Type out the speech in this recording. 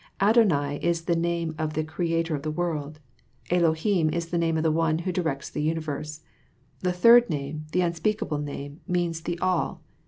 Adonai is the name of the creator of the world I Elohim is the name of the One who directs the universe. The third name, the unspeakable name, means the All.